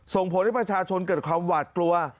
ส่งผลให้ประชาชนเกิดความหวาดกลัว